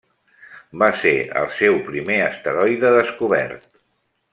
Va ser el seu primer asteroide descobert.